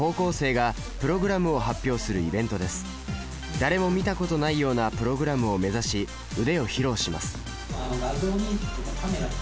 誰も見たことないようなプログラムを目指し腕を披露します。